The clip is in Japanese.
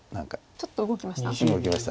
ちょっと動きました？